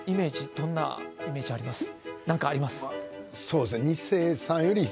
どんなイメージがありますか？